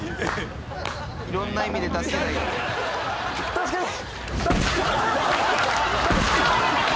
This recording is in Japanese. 助けて。